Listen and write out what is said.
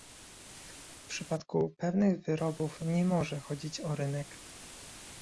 W przypadku pewnych wyrobów nie może chodzić o rynek